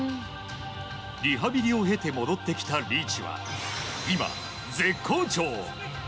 リハビリを経て戻ってきたリーチは、今、絶好調。